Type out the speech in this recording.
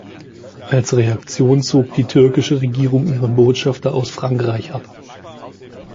Als Reaktion zog die türkische Regierung ihren Botschafter aus Frankreich ab.